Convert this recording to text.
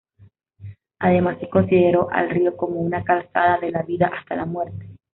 Además se consideró al río como una calzada de la vida hasta la muerte.